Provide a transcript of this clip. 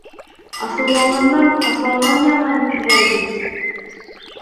Асыуланғандан хасланған яман, тиҙәр бит.